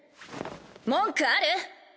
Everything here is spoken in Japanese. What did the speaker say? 文句ある？